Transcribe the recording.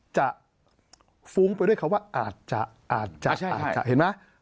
ฟุ้งไปด้วยคำว่าอาจจะอาจจะเห็นไหม